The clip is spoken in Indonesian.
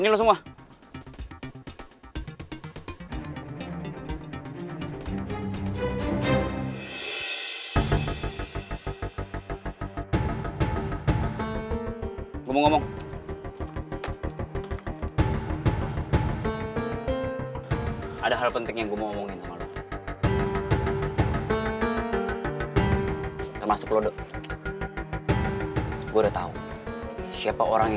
lo bodoh tunggu sini